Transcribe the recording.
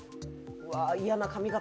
うわ、嫌な髪形。